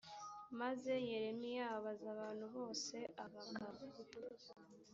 maze yeremiya abaza abantu bose abagabo